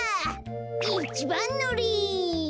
いちばんのり。